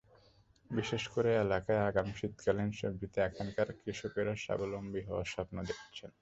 বিশেষ করে এলাকায় আগাম শীতকালীন সবজিতে এখানকার কৃষকেরা স্বাবলম্বী হওয়ার স্বপ্ন দেখছেন।